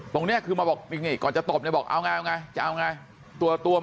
ตรงเนี่ยคือมาบอกก่อนจะตบเนี่ยบอกเอาไงจะเอาไงตัวไหม